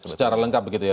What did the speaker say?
secara lengkap begitu ya